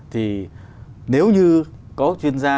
thì nếu như có chuyên gia